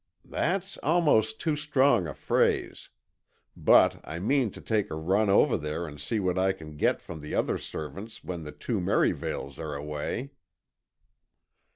"That's almost too strong a phrase. But I mean to take a run over there and see what I can get from the other servants when the two Merivales are away."